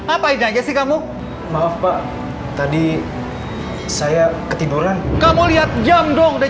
apa aja sih kamu maaf pak tadi saya ketimburan kamu lihat jam dong dan